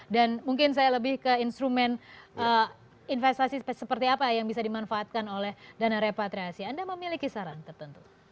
dan mungkin saya lebih ke instrumen investasi seperti apa yang bisa dimanfaatkan oleh dana repatriasi anda memiliki saran tertentu